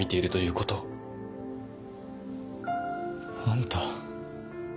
あんた。